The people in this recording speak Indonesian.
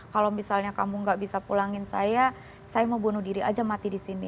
kalau misalnya kamu gak bisa pulangin saya saya mau bunuh diri aja mati di sini